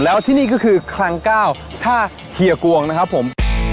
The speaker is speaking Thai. แล้วที่นี่ก็คือคลัง๙ท่าเฮียกวงนะครับผม